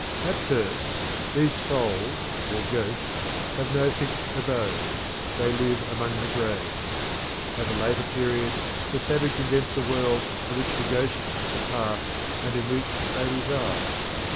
At first these souls or ghosts have no fixed abode; they live among the graves. At a later period the savage invents a world to which the ghosts depart and in which they reside.